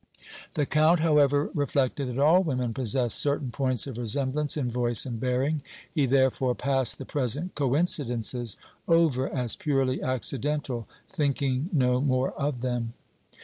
The Count, however, reflected that all women possessed certain points of resemblance in voice and bearing; he, therefore, passed the present coincidences over as purely accidental, thinking no more of them.